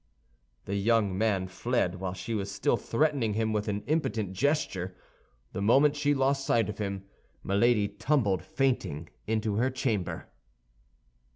The young man fled while she was still threatening him with an impotent gesture. The moment she lost sight of him, Milady tumbled fainting into her chamber.